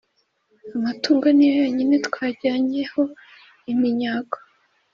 Amatungo ni yo yonyine twajyanye ho iminyago,